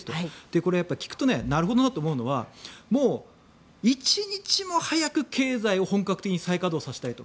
これ、聞くとなるほどなと思うのは一日も早く経済を本格的に再稼働したいと。